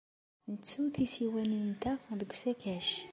Nettu tisiwanin-nteɣ deg usakac.